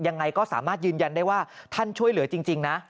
ยังไงก็สามารถยืนยันได้ว่าท่านช่วยเหลือจริงนะ